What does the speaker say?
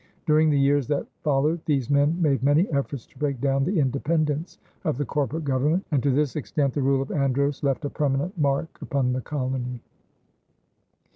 During the years that followed, these men made many efforts to break down the independence of the corporate government, and to this extent the rule of Andros left a permanent mark upon the colony.